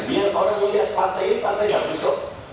biar orang melihat partai ini partai bagus kok